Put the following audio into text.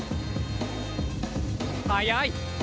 速い！